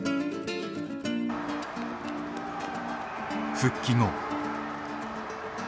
復帰後。